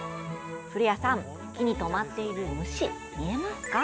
古谷さん、木に止まっている虫見えますか？